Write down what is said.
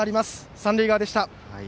三塁側でした。